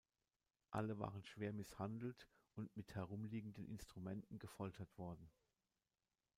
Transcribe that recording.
Alle waren schwer misshandelt und mit herumliegenden Instrumenten gefoltert worden.